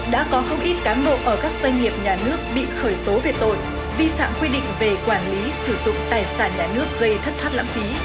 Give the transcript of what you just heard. đã có không ít cán bộ ở các doanh nghiệp nhà nước bị khởi tố về tội vi phạm quy định về quản lý sử dụng tài sản nhà nước gây thất thoát lãng phí